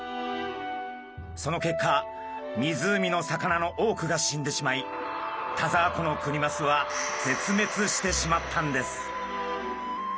その結果湖の魚の多くが死んでしまい田沢湖のクニマスは絶滅してしまったんです。